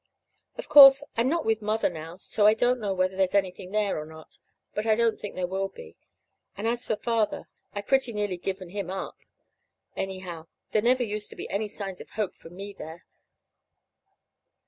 Of course, I'm not with Mother now, so I don't know whether there's anything there, or not; but I don't think there will be. And as for Father I've pretty nearly given him up. Anyhow, there never used to be any signs of hope for me there.